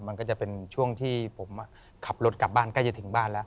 มันก็จะเป็นช่วงที่ผมขับรถกลับบ้านใกล้จะถึงบ้านแล้ว